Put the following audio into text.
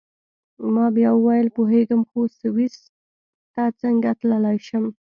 ما بیا وویل: پوهیږم، خو سویس ته څنګه تلای شم؟